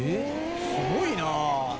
すごいなあ。